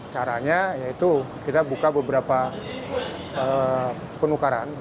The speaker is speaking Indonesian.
caranya yaitu kita buka beberapa penukaran